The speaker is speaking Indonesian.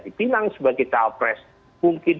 dipinang sebagai cawapres mungkin